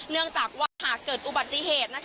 เนื่องจากว่าหากเกิดอุบัติเหตุ